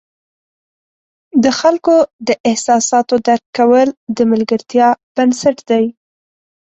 د خلکو د احساساتو درک کول د ملګرتیا بنسټ دی.